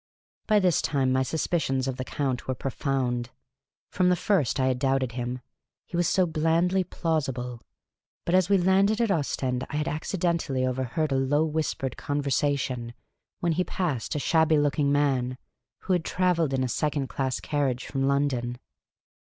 By this time my suspicions of the Count were profound. From the first I had doubted him ; he was so blandly plausible. But as we landed at Ostend I had accidentally overheard a low, whispered conversation when he passed a shabby looking man, who had travelled in a second class carriage from London.